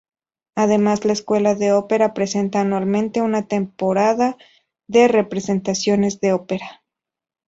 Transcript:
Además la Escuela de Opera presenta anualmente una temporada de representaciones de ópera.